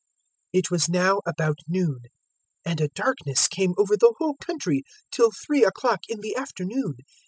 023:044 It was now about noon, and a darkness came over the whole country till three o'clock in the afternoon.